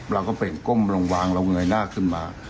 เราก็เป็นก้มลงวางเราเงยหน้าขึ้นมา